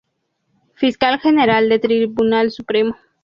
Fiscal general del Tribunal Supremo.